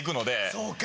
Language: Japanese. そうか。